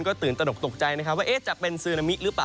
ก็ตื่นตนกตกใจนะครับว่าจะเป็นซึนามิหรือเปล่า